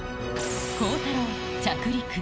孝太郎、着陸。